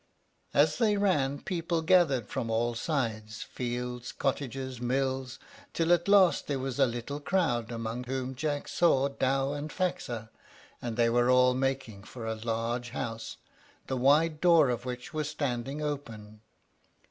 As they ran, people gathered from all sides, fields, cottages, mills, till at last there was a little crowd, among whom Jack saw Dow and Faxa, and they were all making for a large house, the wide door of which was standing open.